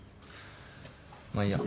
まあいいや。